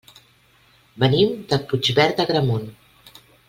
Venim de Puigverd d'Agramunt.